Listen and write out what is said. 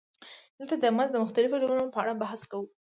دلته د مزد د مختلفو ډولونو په اړه بحث کوو